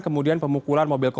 kemudian pemukulan mobil korban